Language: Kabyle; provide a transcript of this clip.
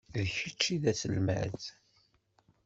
D kečč i d aselmad.